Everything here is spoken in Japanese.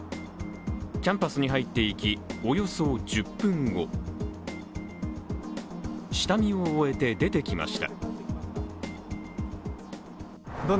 キャンパスに入っていき、およそ１０分後下見を終えて出てきました。